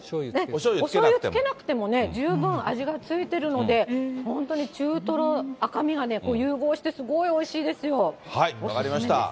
おしょうゆつけなくても十分味がついてるので、本当に中トロ、赤身がね、融合してすごいおいしいですよ。